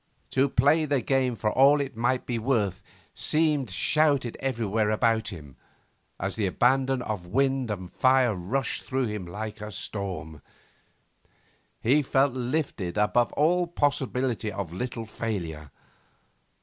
To play the game for all it might be worth seemed shouted everywhere about him, as the abandon of wind and fire rushed through him like a storm. He felt lifted above all possibility of little failure.